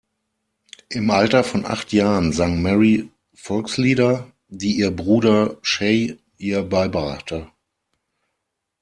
Im Alter von acht Jahren sang Mary Volkslieder, die ihr Bruder Shay ihr beibrachte.